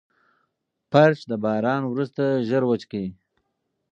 فرش د باران وروسته ژر وچ کړئ.